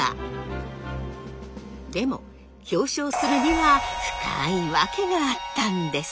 でも表彰するには深い訳があったんです。